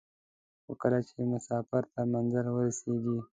خو کله چې مسافر تر منزل ورسېږي.